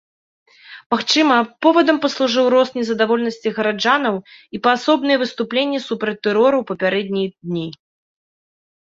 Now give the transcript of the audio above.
Магчыма, повадам паслужыў рост незадаволенасці гараджанаў і паасобныя выступленні супраць тэрору ў папярэднія дні.